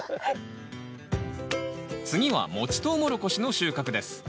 次はもちトウモロコシの収穫です。